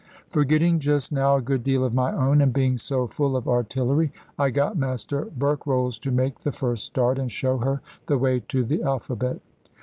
Forgetting just now a good deal of my own, and being so full of artillery, I got Master Berkrolles to make the first start, and show her the way to the alphabet.